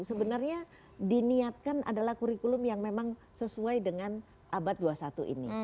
sebenarnya diniatkan adalah kurikulum yang memang sesuai dengan abad dua puluh satu ini